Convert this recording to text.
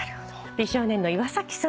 美少年の岩さん